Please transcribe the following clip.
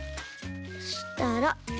そしたら。